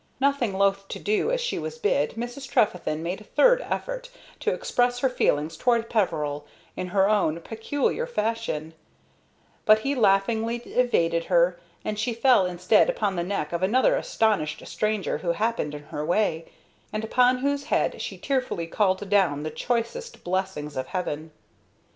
Nothing loath to do as she was bid, Mrs. Trefethen made a third effort to express her feelings towards Peveril, in her own peculiar fashion; but he laughingly evaded her, and she fell instead upon the neck of another astonished stranger who happened in her way, and upon whose head she tearfully called down the choicest blessings of Heaven.